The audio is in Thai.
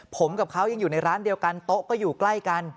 ผมกับเขายังอยู่ในร้านเดียวกันโต๊ะก็อยู่ใกล้กัน